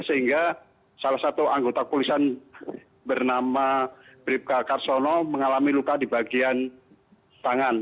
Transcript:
sehingga salah satu anggota polisian bernama bribka karsono mengalami luka di bagian tangan